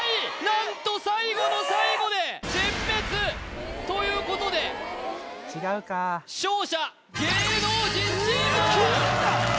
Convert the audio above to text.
なんと最後の最後で全滅！ということで違うか勝者芸能人チーム！